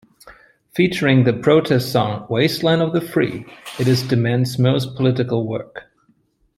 Featuring the protest song "Wasteland of the Free", it is DeMent's most political work.